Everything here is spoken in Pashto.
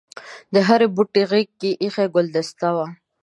د هر بوټي غېږ کې ایښي ګلدسته وه.